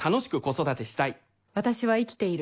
私は生きている。